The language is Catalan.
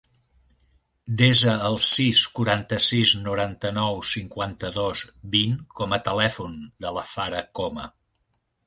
Desa el sis, quaranta-sis, noranta-nou, cinquanta-dos, vint com a telèfon de la Farah Coma.